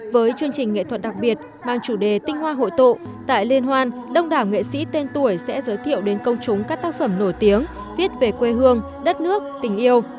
với chương trình nghệ thuật đặc biệt mang chủ đề tinh hoa hội tộ tại liên hoan đông đảo nghệ sĩ tên tuổi sẽ giới thiệu đến công chúng các tác phẩm nổi tiếng viết về quê hương đất nước tình yêu